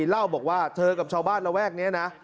เล่าบอกว่าเธอกับชาวบ้านระแวกนี้นะ